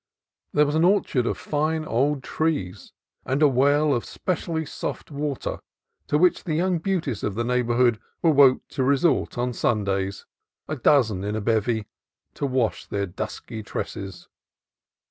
There was an orchard of fine old trees, and a well of specially soft water to which the young beauties of the neigh borhood were wont to resort on Sundays, a dozen in a bevy, to wash their dusky tresses.